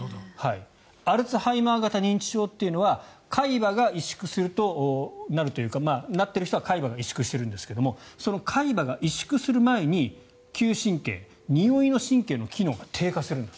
アルツハイマー型認知症は海馬が萎縮するとなるというかなっている人は海馬が委縮しているんですがその海馬が委縮する前に嗅神経、においの神経の機能が低下すると。